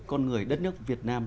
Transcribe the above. con người đất nước việt nam